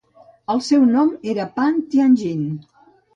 El seu nom era Pan Tianjin.